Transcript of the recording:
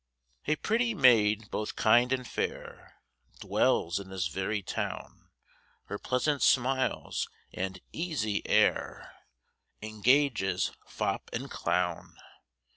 _ A pretty maid both kind and fair, Dwells in this very town, Her pleasant smiles and easy air, Engages fop and clown.